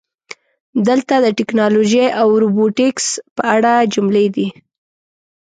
دلته د "ټکنالوژي او روبوټیکس" په اړه جملې دي: